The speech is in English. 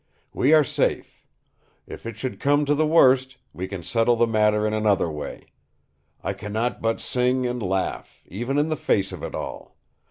"We are safe. If it should come to the worst, we can settle the matter in another way. I can not but sing and laugh, even in the face of it all.